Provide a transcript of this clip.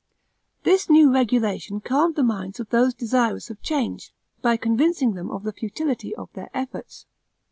This new regulation calmed the minds of those desirous of change, by convincing them of the futility of their efforts.